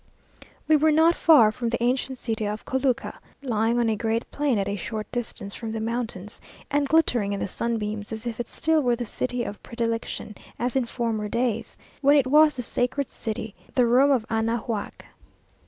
We were not far from the ancient city of Cholula, lying on a great plain at a short distance from the mountains, and glittering in the sunbeams, as if it still were the city of predilection as in former days, when it was the sacred city, "the Rome of Anahuac."